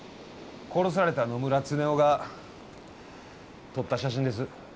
殺された野村恒雄が撮った写真です。